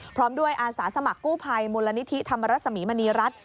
พร้อมด้วยอาสาสมัครกู้ภัยมูลนิธิธรรมรสมีมณีรัฐ